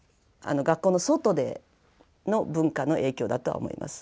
学校の外での文化の影響だとは思います。